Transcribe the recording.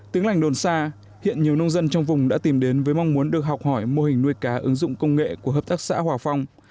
tiếng lành đồn xa hiện nhiều nông dân trong vùng đã tìm đến với mong muốn được học hỏi mô hình nuôi cá ứng dụng công nghệ của hợp tác xã hòa phong